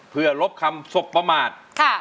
เพื่อลบคำสบประมาท